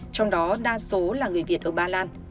trong đó đa số là người việt ở ba lan